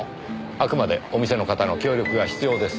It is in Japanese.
あくまでお店の方の協力が必要です。